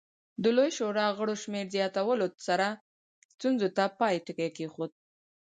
د لویې شورا غړو شمېر زیاتولو سره ستونزې ته پای ټکی کېښود.